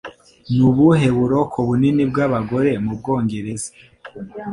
Ni ubuhe buroko bunini bw'abagore mu Bwongereza?